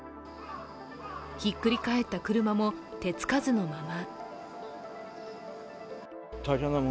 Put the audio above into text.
ひっくり返った車も手つかずのまま。